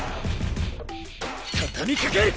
畳みかける！